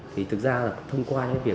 thì thực ra là thông qua những việc